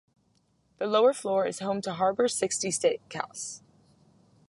The lower floor is home to Harbour Sixty Steakhouse.